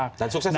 dan sukses ya